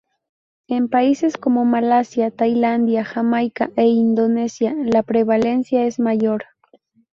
En países como Malasia, Tailandia, Jamaica e Indonesia la prevalencia es mayor.